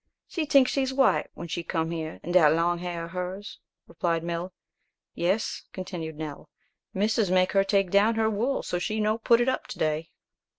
"She tinks she white, when she come here wid dat long har of hers," replied Mill. "Yes," continued Nell; "missus make her take down her wool so she no put it up to day."